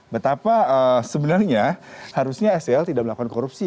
betapa sebenarnya harusnya sel tidak melakukan korupsi